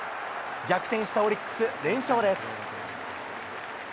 逆転したオリックス、連勝です。